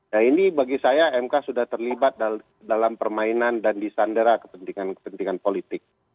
ya ini bagi saya mk sudah terlibat dalam permainan dan disandera kepentingan kepentingan politik